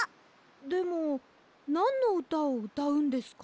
でもなんのうたをうたうんですか？